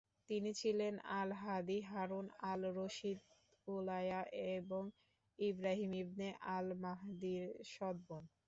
তিনি ছিলেন আল-হাদী, হারুন আল-রশিদ, উলায়া এবং ইব্রাহিম ইবনে আল-মাহদির সৎবোন।